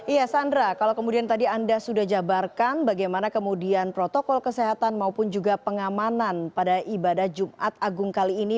iya sandra kalau kemudian tadi anda sudah jabarkan bagaimana kemudian protokol kesehatan maupun juga pengamanan pada ibadah jumat agung kali ini